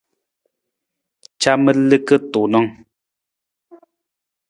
Camar liki tuunng.